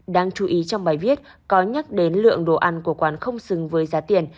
đáng chú ý trong bài viết có nhắc đến lượng đồ ăn của quán không xứng với giá tiền